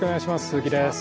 鈴木です。